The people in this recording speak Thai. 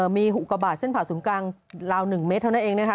มีหุกบาทเส้นผ่าศูนย์กลางราว๑เมตรเท่านั้นเองนะคะ